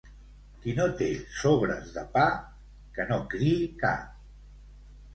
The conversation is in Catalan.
Qui no té sobres de pa, que no criï ca.